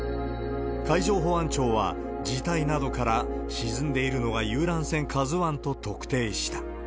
海上保安庁は、字体などから、沈んでいるのは遊覧船、ＫＡＺＵＩと特定した。